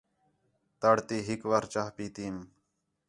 تَڑ تی ہِک وار چاہ پی تیئم